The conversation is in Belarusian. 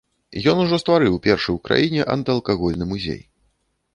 Ён ужо стварыў першы ў краіне антыалкагольны музей.